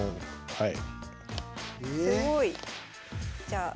はい。